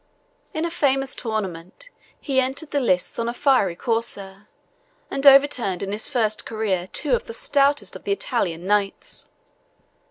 In a famous tournament, he entered the lists on a fiery courser, and overturned in his first career two of the stoutest of the Italian knights.